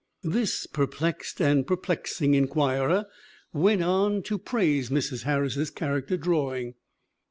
This perplexed and perplexing inquirer went on to praise Mrs. Harris's character drawing.